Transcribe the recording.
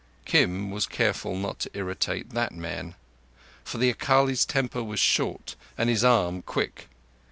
Kim was careful not to irritate that man; for the Akali's temper is short and his arm quick.